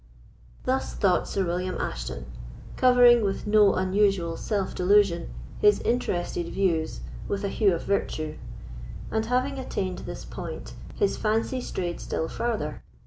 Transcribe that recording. Thus thought Sir William Ashton, covering with no unusual self delusion his interested views with a hue of virtue; and having attained this point, his fancy strayed still farther.